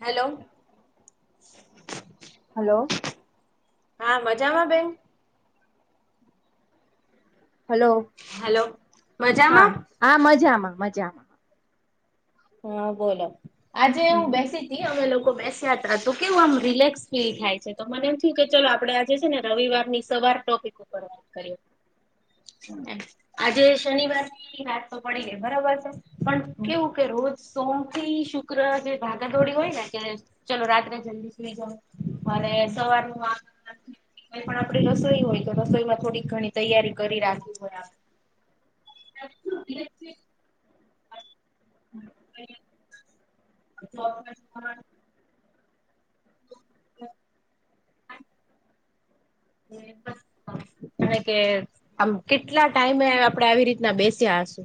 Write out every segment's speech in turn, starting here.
Hello. Hello. હા મજામાં બેન? હલો. હેલો હા મજામાં હા મજામાં મજામાં. હા બોલો આજે હું હમ બેસી થી અમે લોકો બેસ્યા તો કેવું આમ રિલેક્સ ફીલ થાય છે તો મને એમ થયું કે ચલો આપડે આ જેે છે ને રવિવારની સવાર ટોપિક ઉપર વાત કરીએ. આજે શનિવારની વાત તો પડી ગઈ બરાબર છે પણ કેવું રોજ સોમ થી શુક્ર જે ભાગા દોડી હોય ને કે ચલો રાત્રે જલ્દી સુઈ જાવ. અરે હમ સવારનું [unintelligible] કોઈ પણ આપડે રસોઈ હોય તો રસોઈમાં થોડીક ઘણી તૈયારી કરી રાખવી હોય આપ [unintelligible] [unintelligible] [unintelligible] [unintelligible] [unintelligible] કાર કે આમ કેટલા ટાઈમે આપડે આવી રીતના બેસ્યા હસુ.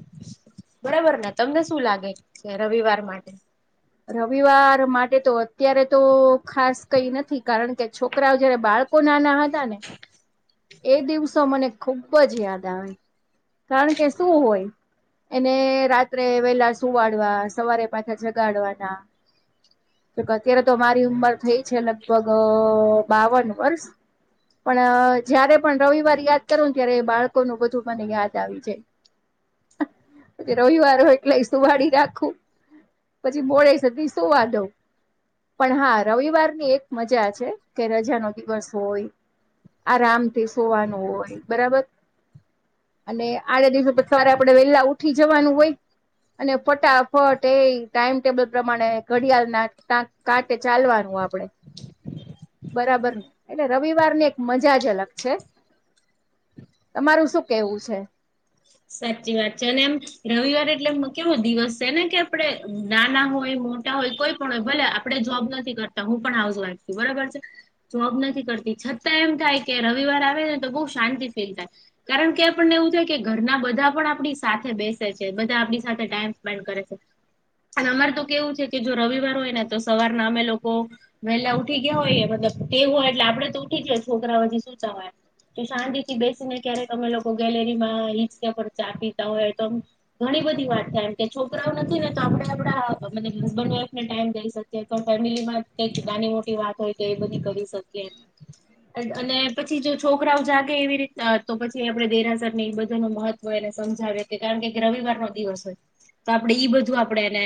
બરાબર ને તમને શું લાગે છે? રવિવાર માટે. રવિવાર માટે તો અત્યારે તો ખાસ કઈ નથી. કારણ કે છોકરાઓ જયારે બાળકો નાના હતા ને એ દિવસો મને ખુબ જ યાદ આવે કારણ કે શું હોય. એને રાત્રે વેલા સુવાડવા સવારે પાછા જગાડવાના. જોકે અત્યારે તો મારી ઉંમર થઈ છે લગભગ બાવન વર્ષ. પણ જયારે પણ રવિવાર યાદ કરો ને ત્યારે બાળકોનું બધું મને યાદ આવી જાય. રવિવાર હો એટલે સુુંવાડી રાખું. પછી મોડે સુધી શુંવા દો. પણ હા રવિવારની એક મજા છે કે રજા નો દિવસ હોય. આરામથી સુવાનું હોય બરાબર. અને આડા દિવસો તો સવારે આપડે વેહલા ઉઠી જવાનું હોય. અને ફટાફટ એ ટાઈમ ટેબલ પ્રમાણે ઘડિયાળના કાંટે ચાલવાનું આપડે. [inaudible] બરાબર ને એટલે રવિવારને મજા જ અલગ છે તમારું શું કેવું છે? સાચી વાત છે અને એમ રવિવાર એટલે કેવો દિવસ છે ને કે આપડે નાના હોય મોટા હોય કોઈ પણ હોય ભલે આ પડે જોબ નથી કરતા હું પણ હાઉસવાઈફ છું બરોબર છે. જોબ નથી કરતી છતાં એમ થાય કે રવિવાર આવે ને તો બહુ શાંતિ ફીલ થાય. કારણ કે આપણને એવું થાય કે ઘ રના બધા પણ આપણી સાથે બેસે છે બધા આપણી સાથે ટાઈમ સ્પેન્ડ કરે છે. અને અમારે તો કેવું છે કે, જો રવિવાર હોય ને, તો સવારના અમે લોકો વહેલા ઉઠી ગયા હોય, મતલબ તે હોય, એટલે આપડે તો ઉઠી જ છોકરાઓથી. કે શાંતિથી બેસીને, ક્યારેક અમે લોકો ગેલેરીમાં હીંચકા પર ચા પીતા હોય તો ઘણી બધી વાત થાય, એમ કે છોકરાઓ નથી ને, તો આપડે આપડા હસબન્ડે-વાઈફ ને, ટાઈમ દઈ શકીએ. ફેમિલીમાં કઈક નાની-મોટી વાત હોય કે, એ બધી કરી શકીએ. અને પછી જો છોકરાઓ જાગે, એવી રીત તો પછી આપે દેરાસર બધું. નુ મહત્વ એને સમજાવે, કારણ કે રવિવારનો દિવસ હોય. તો આપણેે ઈ બધું આપણેે એને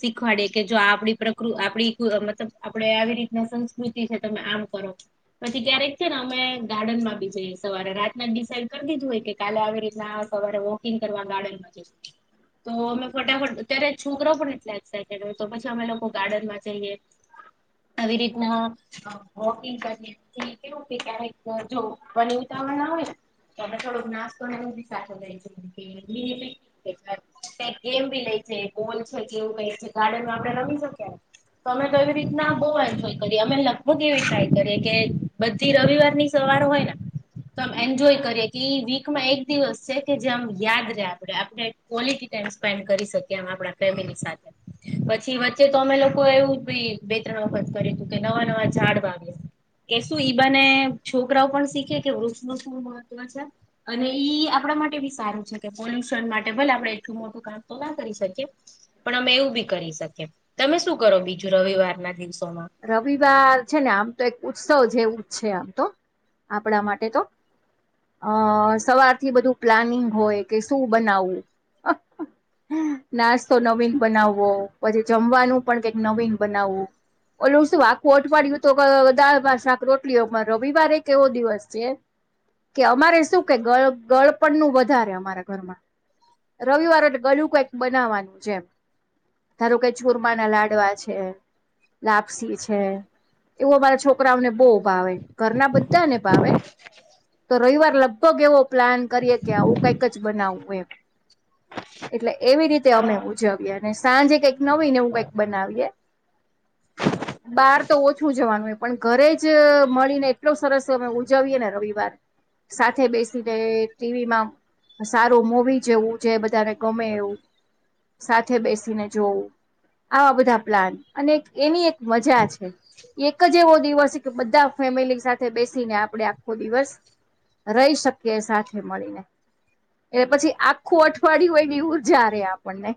શીખવાડીએ કે, જો આપણી પ્રકૃતિ, આપડી મતલબ. આપડે આવી રીતના સંસ્કૃતિ છે, તમે આમ કરો. પછી ક્યારેક છે ને, અમે ગાર્ડન માં બી જઈએ, સવારે રાતના ડિસાઇડ કરી દીધું હોય કે, કાલે આવે. એટ સવારે વોકિંગ કરવા ગાર્ડનમાં જ તો અમે ફટાફટ અત્યારે છોકરા પણ એટલા એક્સાઈટેડ હોય તો, પછી અમે લોકો ગાર્ડનમાં જઈએ. આવી રીતના વોકિંગ કરી. એ કેવું કે, ક્યારેક જો બની ઉતાવર ના હોય ને, તો આપડે થોડુંક નાશ સાત હજાર માં. કક ગેમ બી લઈ છે, બોલ છે કે, એવું કઈક છે, ગાર્ડનમાં આપણે રમી શકીએ. તો અમે તો એવી રીતના બહુ એન્જોય કરીએ, અમે લગભગ એવી ટ્રાય કરીએ કે. બધી રવિવાર ની સવાર હોય ને, તો આમ એન્જોય કરીએ કે, વીકમાં એક દિવસ છે કે, જે આમ યાદ રે, આપડે આપણે ક્વલટી ટાઈમ સ્પેન્ડ કરી શકીએ, એમ આપણા ફેમિલી સાથે પછી વચ્ચે તો અમે લોકો એવું બે-ત્રણ વખત કર્યું તું, કે નવા- નવા ઝાડ વાવ્યા. કે શું ઈબા ને, છોકરાઓ પણ શીખે કે, વૃક્ષ નું શું મહત્વ છે? અને ઈ આપણા માટે બી સારું છે કે, પોલ્યુશન માટે ભલે આપડે એટલું મોટું કામ તો ના કરી શકીએ. પણ અમે એવું બી કરી શકીએ, તમે શું કરો બીજું રવિવાર ના દિવસોમાં? રવિવાર છે ને, આમ તો એક ઉત્સવ જેવું છે, આમ તો આપણા માટે તો. અ સવારથી બધું પ્લાનિંગ હોય કે, શું બનાવવું. નાસ્તો નવીન બનાવવો, પછી જમવાનું પણ કઈક નવીન બનાવવું. ઓલે શું આખું અઠવાડય્યું તો, દાળમાં, શાક, રોટલી રવિવારે એ કેવો દિવસ છે. કે અમારે શું કે, ગળપણ નું વધારે અમારા ઘરમાં. રવિવાર ગળું કઈક બનાવવાનું છે એમ. ધારું કઈ છુરમા ના લાડવા છે. લાપસી છે. એવું અમારા છોકરાઓને બહુ ભાવે, ઘરના બધાને ભાવે. તો રવિવાર લગભગ એવો પ્લાન કરીએ કે, આવું કઈક જ બનાવવું એમ. એટલે એવી રીતે અમે ઉજવીએ, અને સાંજે કઈક નવીને હું કઈક બનાવીએ. બહાર તો ઓછું જવાનું હોય, પણ ઘરે જ મળીને, એટલો સરસ અમે ઉજવીએ ને રવિવાર. સાથે બેસીને, ટીવી માં. સારું મવી જેવું જે, બધાને ગમે એવું. સાથે બેસીને જોવું, આવા બધા પ્લાન અને એની એક મજા છે. એક જ એવો દિવસ કે, બધા ફેમિલી સાથે બેસીને, આપડે આખો દિવસ રહી શકીએ, સાથે મળીને. એટલે પછી આખું અઠવાડિયું હોય, એ ઉર્જા રે આપણને.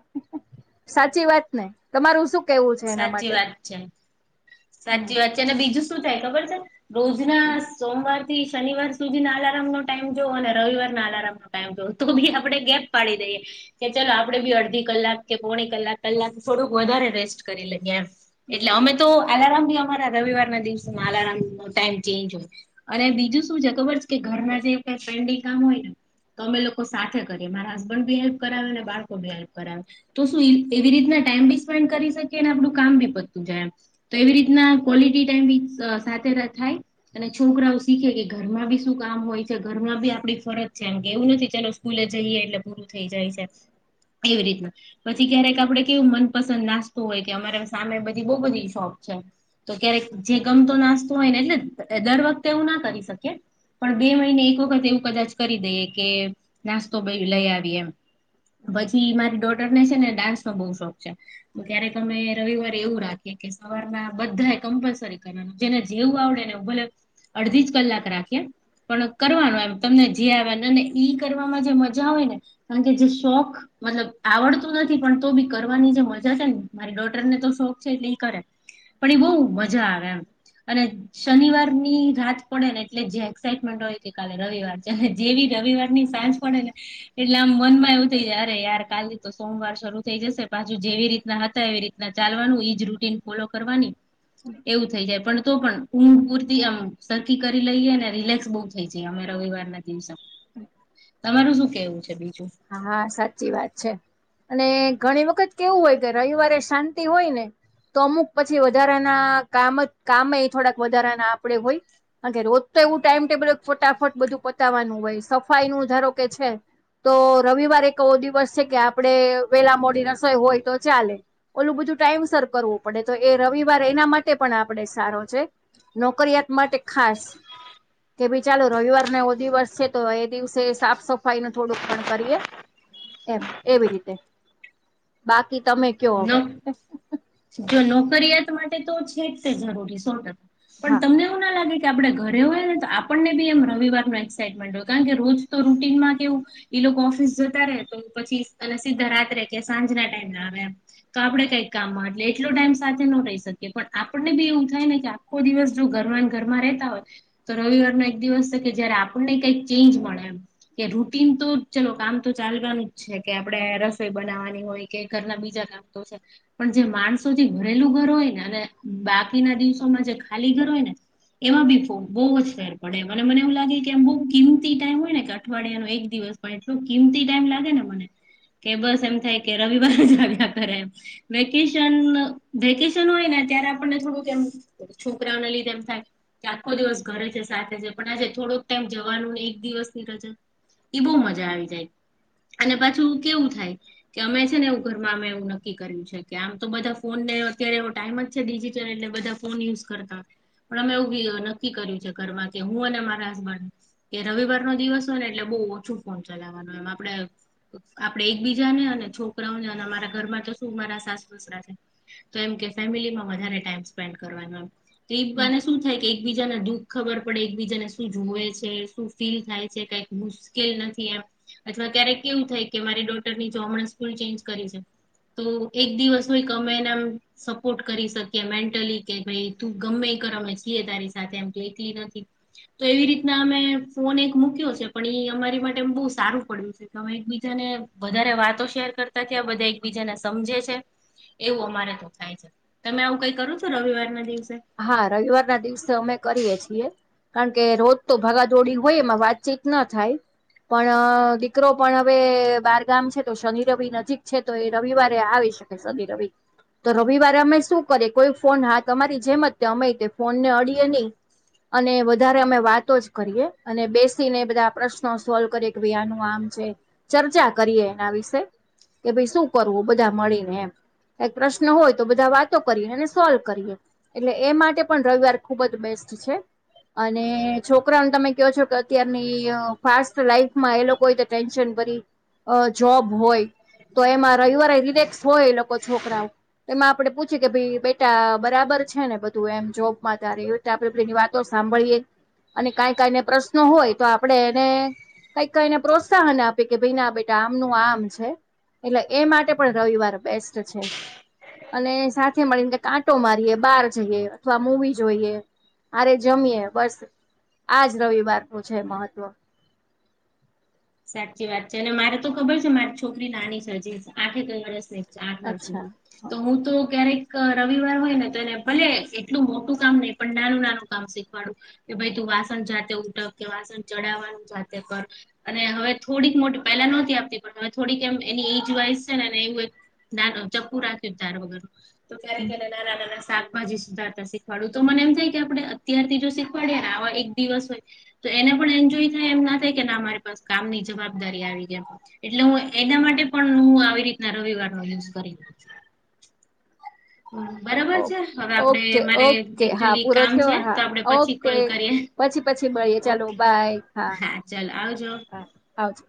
સાચી વાત ને, તમારું શું કેવું છે એના માટે? અચ સાચી વાત છે, અને બીજું શું થાય ખબર છે, રોજના સોમવાર થી શનિવાર સુધી ના અલારમનો ટાઈમ, જો અને રવિવારના અલાર્મનો ટાઈમ જોઓ તો, બી આપણે ગેપ પાડી દઈએ. કે ચલો, આપડે બી અડધી કલાક કે, પોણી કલાક કલાક થોડુંક વધારે રેસ્ટ કરી લઈએ, એટલે અમે તો. આલાર્મ ભી, અમારા રવિવાર ના દિવસોમાં અલાર્મ નો ટાઈમ ચેન્જ હોય, અને બીજું શું છે ખબર? કે ઘરમાં જે કઈ પેન્ડિંગ કામ હોય ને. તો અમે લોકો સાથે કરીએ, મારા હસબન્ડ બી હેલ્પ કરાવે ને, બાળકો બી હેલ્પ કરાવે. હા તો શું એવી રીતના ટાઈમ બી સ્પેન્ડ કરી શકીએ અને આપડું કામ ભી પતતું જાય એમ. તો એવી રીતના ક્વોલિટી ટાઈમ સાથે રખાય. અને છોકરાઓ શીખે કે ઘરમાં બી શું કામ હોય છે. ઘરમાં બી આપડી ફરજ છે એમ કે એવું નથી ચલો સ્કૂલે જઈએ એટલે પૂરું થઇ જાય છે. એવી રીતના પછી ક્યારેક આપડે કેવું મનપસંદ નાસ્ તો હોય કે અમારે સામે બધી બહું બધી શોપ છે. તો ક્યારેક જે ગમતો નાસ્તો હોય ને એટલે દર વખતે એવું ના કરી શકીએ. પણ બે મહિને એક વખત એવું કદાચ કરી દઈએ કે નાસ્તો લઈ આવી એમ. પછી મારી ડોટરને છે ને ડાન્સનો બહુ શોખ છે. તો ક્યારેક અમે રવિવારે એવું રાખીએ કે સવારના બધા કમ્પલસરી કરી જેને જેવું આવડે ને ભલે અડધી જ કલાક રાખીએ. પણ કરવાનું એમ તમને જે આવ અને ઈ કરવામાં જે મજા હોય ને કારણ કે જે શોખ મતલબ આવડતું નથી પણ તો બી કરવાની જે મજ જશે ને મારી ડોટરને તો શોખ છે એટલે ઈ કરે. પણ એ બહુ મજા આવે એમ અને શનિવારની રાત પડે ને એટલે જે એક્સાઈટમેન્ટ હોય કે કાલે રવિવાર છે. અને જેવી રવિવારની સાંજ પડે ને એટલે આમ મન માં એવું થઈ જાય અરે યાર કાલ તો સોમવાર શરૂ થઈ જશે પાછુ જેવી રીત રીતના હતા એવી રીતના ચાલવાનું. ઈજ રૂટીન ફોલો કરવાની. એવું થઈ જાય પણ તો પણ ઊંઘ પૂરતી આમ સરખી કરી લઈએ ને રિલેક્સ બહુ થઇ જઈ અમે રવિવારના દિવસે. તમારું શું કેવું છે બીજું? હા સાચી વાત છે. અને ઘણી વખત કેવું હોય કે રવિવારે શાંતિ હોય ને તો અમુક પછી વધારાના કામ કામે થોડાક વધારાના આપણેે હોય. કારણ કે રોજ તો એવું ટાઈમ ટેબલ ફટાફટ બધું પતાવવાનું હોય સફાઈ નું ધારો કે છે તો રવિવારે એક એવો દિવસ છે કે આપણે વેલા મોડી રસોઈ હોય તો ચાલે. ઓલું બધું ટાઈમ સર કરવું પડે. તો એ રવિવાર એના માટે પણ આપણે સારો છે. નોકરીયાત માટે ખાસ. કે ભાઈ ચાલો રવિવાર ને એવો દિવસ છે તો એ દિવસે સાફ સફાઈનું થોડુંક પણ કરીએ એમ એવી રીતે. બાકી તમે કયો ન હવે જો નોકરિયાત માટે તો છે જ તે જરૂરી સો ટકા. પણ હા તમને એવું ના લાગે કે આપણે ઘરે હોય ને તો આપણને બી એમ રવિરનું એક્સાાઈટમેન્ટ હોય. કારણ કે રોજ તો રૂટીનમાં કેવું ઈ લોકો ઓફિસ જતા રે તો પછી અને સીધા રાત્રે કે સાંજના ટાઈમે આવે એમ તો આપણે કઈક કામમાં એટલે એટલો ટાઈમ સાથે ન રહી શકીએ પણ આપણને બી એવું થાય ને કે આ આખો દિવસ જો ઘરમાં ઘરમાં રહેતા હોય. તો રવિવારનો એક દિવસ છે કે જયારે આપણને કઈક ચેન્જ મળે એમ. કે રૂટીન તો ચલો કામ તો ચાલવાનું જ છે કે આપણે રસોઈ બનાવવાની હોય કે ઘરના બીજા કામ તો છે. પણ જે માણસો થી ભરેલું ઘર હોય ને અને બાકીના દિવસોમાં જે ખાલી ઘર હોય ને એમાં બી બહુ જ ફેર પડે. અને મને મને એવું લાગે કે આમ બહુ કિંમતી ટાઈમ હોય ને કે અઠવાડિયાનો એક દિવસ પણ એટલું કિંમતી ટાઈમ લાગે ને મને. કે બસ એમ થાય કે રવિવાર જ આવ્યા કરે એમ. વેકેશન વેકેશન હોય ને ત્યારે આપણને થોડુંક એમ છોકરાઓને લીધે એમ થાય કે આખો દિવસ ઘરે છે સાથે છે પણ આજે થોડોક ટાઈમ જવાનું ને એક દિવસ ની રજા ઈ બહુ મજા આવી જાય. અને પાછું કેવું થાય કે અમે છે ને એવું ઘરમાં અમે નક્કી કર્યું છે કે આમ તો બધા ફોનને અત્યારે ટાઈમ જ છે ડિજિટલ એટલે બધા ફોન યુઝ કરતા. પણ અમે એવુ નક્કી કર્યું છે ઘરમાં કે હું અને મારા હસબન્ડ કે રવિવાર નો દિવસ હોય ને એટલે બહુ ઓછું ફોન ચલાવવાનો એમ આપણે. આપડે એકબીજા ને અને છોકરાઓને અને અમારા ઘરમાં તો શું મારા સાસુ સસરા છે. તો એમ કે ફેમિલીમાં વધારે ટાઈમ સ્પેન્ડ કરવાનું એમ. તે જ બાને શું થાય કે એકબીજ બીજાને દુઃખ ખબર પડે એકબીજાને શું જોવે છે શું ફીલ થાય છે કઈક મુશ્કેલ નથી એમ અથવા ક્યારેક કેવું થાય કે મારી ડોટર ની જો હમણાં સ્કૂલ ચેન્જ કરી છે તો એક દિવસ હો અમે એન સપોર્ટ કરી શકીએ મેન્ટલી કે ભાઈ તું ગમે કર અમે છીએ તારી સાથે એમ એટલી નથી તો એવી રીતના અમે ફોન એક મૂક્યો છે પણ ઈ અમારી માટે બહુ સારું પડ્યું છે તમે એકબીજા ને વધારે વાતો શેર કરતા થયા બધા બીજાને સમજે છે એવું અમારે તો થાય છે તમે આવું કઈ કરો છો રવિવાર ના દિવસે હા રવિવાર ના દિવસે અમે કરીએ છીએ કારણ કે રોજ તો ભગા દોડી હોય એમાં વાતચીત ના થાય. પણ દીકરો પણ હવે બાર ગામ છે તો શનિ રવિ નજીક છે તો એ રવિવારે આવી શકે. રવિ તો રવિવારે અમે શું કરે કોઈ ફોન હાથ અમારી. જેમ જ અમેય તે ફોન ને અડીએે નહી. અને વધારે અમે વાતો જ કરીએ અને બેસીને બધા પ્રશ્નો સોલ્વ કરી. પ્ર ક્રિયાનું આમ છે ચર્ચા કરીએ એના વિશે. કે ભાઈ શું કરવું બધા મળીને એમ. કઈક પ્રશ્ન હોય તો બધા વાતો કરીએ અને સોલ્વ કરીએ. એટલે એ માટે પણ રવિવાર ખુબ જ બેસ્ટ છે. અને છોકરાને તમે કહો છો કે અત્યારની ફાસ્ટ લાઈફમાં એ લોકોઈ. ટેન્શન ભરી જોબ હોય. તો એમાં રવિવારે રિલેક્સ હોય એ લોકો છોકરાઓ તો એમાં આપડે પૂછ કે ભાઈ બેટા બરાબર. છે ને બધું એમ જોબ માં તાર આપડેની વાતો સાંભળીએ. અને કઈ કઈને પ્રશ્નો હોય તો આપડણે એને. કઈક એને પ્રોત્સાહન આપે કે ભાઈ ના બેટા આમનું આમ છે. એટલે એ માટે પણ રવિવાર બેસ્ટ છે. અને સાથે મળીને કે આટો મારીએ. બાર જઈએ અથવા મૂવી જોઈએ અને જમીએ બસ. આજ રવિવાર નું છે મહત્વ. સાચી વાત છે અને મારે તો ખબર છે મારી છોકરી નાની છે હજી આઠે કઈ વર્ષ નહી. ચ આઠ વર્ષની અચ્છા તો હું તો ક્યારેક રવિવાર હોય ને તો એને ભલે એટલું મોટું કામ નહી પણ નાનું નાનું. કામ શીખવાડું કે ભાઈ તું વાસણ જાતે ઉટ કે વાસણ ચડાવવાનું જાતે કર. અને હવે થોડીક મોટી પહેલા નહોતી આપતી પણ હવે થોડીક એમ એની એજ વાઈઝ છે નેને એવું. ના ચપ્પુ રાખ્યું તાર વગરનું તો ક્યારે નાના નાના શાક શાકભાજી સધારતા શીખવાડું તો મને એમ થાય કે આપડે અત્યારથી જો શીખવાડ્યા ને આવા એક દિવસ હોય. તો એને પણ એન્જોય થાય એમ ના થાય કે ના અમારી પાસે કામ ની જવાબદારી આવી ગયા. એટલે હું એના માટે પણ હું આવી રીતના રવિવારનો યુઝ કરી લઉં છ. બરાબર ઓ છે હવે આપડે ઓકે મારે ઓકે હા એકચુલી પૂરો કામ થયો છે તો હા આપડે પછી ઓકે. કોલ કરીએ. પછી પછી મળીએ ચાલો ઓકે બાય હા ચાલો આવજો. હા આવજો.